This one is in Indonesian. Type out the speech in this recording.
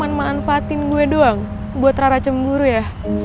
apa sebenarnya lo cuma manfaatin gue doang buat rara cemburu ya